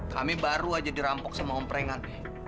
kami baru aja dirampok sama om prengan